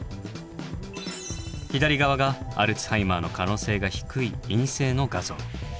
左側がアルツハイマーの可能性が低い陰性の画像。